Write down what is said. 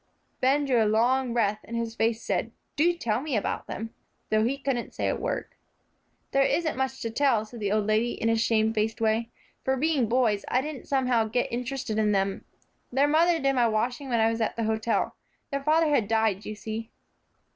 Ben drew a long breath, and his face said, "Do tell me about them," though he couldn't say a word. "There isn't much to tell," said the old lady in a shamefaced way, "for, being boys, I didn't somehow get interested in them. Their mother did my washing when I was at the hotel. Their father had died, you see."